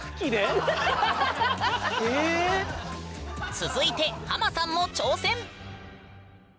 続いてハマさんも挑戦！